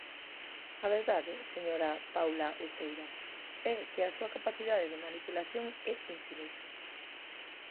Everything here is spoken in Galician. A verdade, señora Paula Uceira, é que a súa capacidade de manipulación é infinita.